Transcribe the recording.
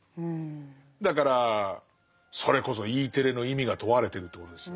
だからそれこそＥテレの意味が問われてるってことですよ。